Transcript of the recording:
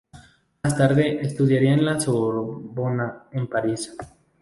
Más tarde estudiaría en la Sorbona, en París.